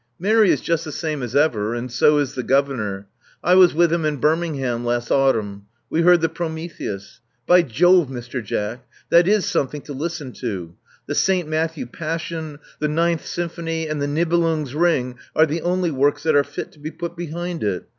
'*Mary is just the same as ever; and so is the governor, I was with him at Birmingham last autumn. We heard the Prometheus. By Jove, Mr. Jack, that is something to listen to ! The St. Matthew Passion, the Ninth Symphony, and the Nibelung's Ring, are the only works that are fit to be put behind it.